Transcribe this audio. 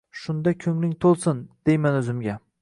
Shundan ko‘ngling to‘lsin, deyman o‘zimga